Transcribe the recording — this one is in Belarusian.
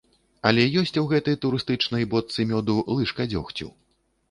Але ёсць у гэтай турыстычнай бочцы мёду лыжка дзёгцю.